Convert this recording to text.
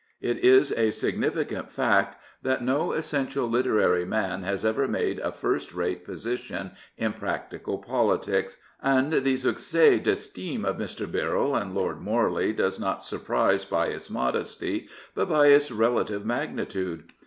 It is a significant fact that no essentially literary man has ever made a first rate position in practical politics, and the succis d*estifne of Mr. Birrell and Lord Morley does not sur prise by its modesty, but by its relative magnitude.